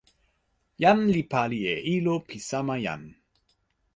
jan li pali e ilo pi sama jan.